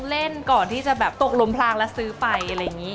เล่นก่อนที่จะแบบตกลมพลางแล้วซื้อไปอะไรอย่างนี้